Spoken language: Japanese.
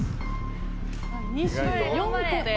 ２４個です。